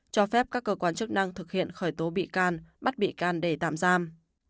cho phép các cơ quan chức năng thực hiện khởi tố bị can bắt bị can để tạm giam